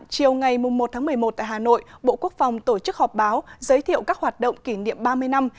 chiều ngày một một mươi một tại hà nội bộ quốc phòng tổ chức họp báo giới thiệu các hoạt động kỷ niệm ba mươi năm